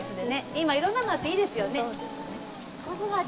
今いろんなのあっていいですよね。